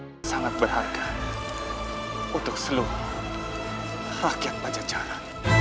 hai sangat berharga untuk seluruh rakyat pancacara